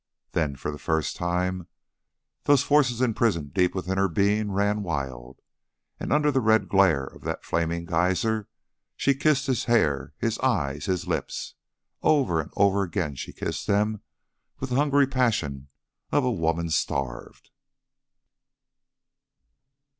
Then, for the first time, those forces imprisoned deep within her being ran wild, and under the red glare of that flaming geyser she kissed his hair, his eyes, his lips. Over and over again she kissed them with the hungry passion of a woman starved.